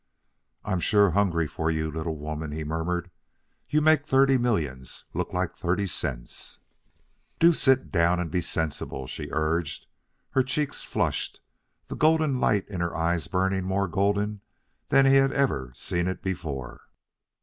"I'm sure hungry for you, little woman," he murmured "You make thirty millions look like thirty cents." "Do sit down and be sensible," she urged, her cheeks flushed, the golden light in her eyes burning more golden than he had ever seen it before.